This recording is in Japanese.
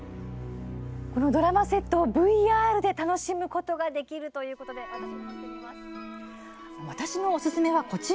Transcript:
このドラマセットをＶＲで楽しむことができるということで私も乗ってみます。